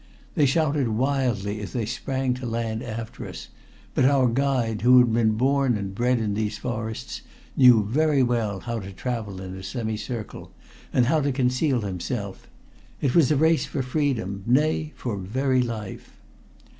They shouted wildly as they sprang to land after us, but our guide, who had been born and bred in these forests, knew well how to travel in a semi circle, and how to conceal himself. It was a race for freedom nay, for very life.